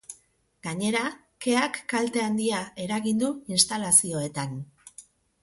Gainera, keak kalte handia eragin du instalazioetan.